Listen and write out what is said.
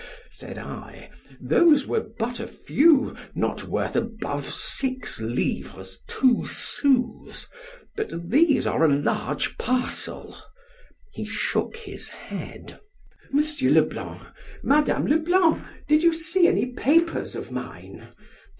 said I, those were but a few, not worth above six livres two sous—but these are a large parcel——He shook his head——Monsieur Le Blanc! Madam Le Blanc! did you see any papers of mine?